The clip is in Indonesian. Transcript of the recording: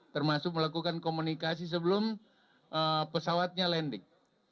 termasuk melakukan komunikasi sebelum pesawatnya landing